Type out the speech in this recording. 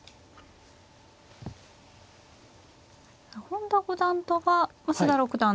本田五段とは増田六段